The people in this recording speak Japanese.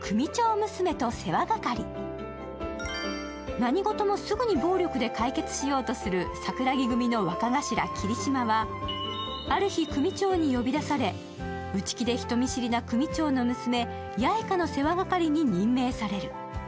何事もすぐに暴力で解決しようとする桜樹組の若頭・霧島はある日組長に呼び出され、内気で人見知りな娘、八重花の世話係に任命される。